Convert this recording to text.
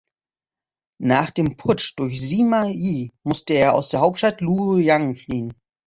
Nach dem Putsch durch Sima Yi musste er aus der Hauptstadt Luoyang fliehen.